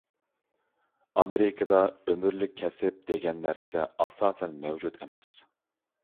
ئامېرىكىدا «ئۆمۈرلۈك كەسىپ» دېگەن نەرسە ئاساسەن مەۋجۇت ئەمەس.